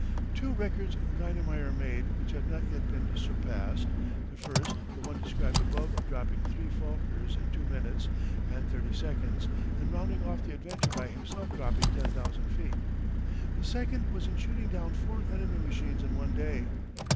Two records Guynemer made which have not yet been surpassed the first, the one described above of dropping three Fokkers in two minutes and thirty seconds, and rounding off the adventure by himself dropping ten thousand feet. The second was in shooting down four enemy machines in one day.